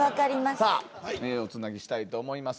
さあおつなぎしたいと思います。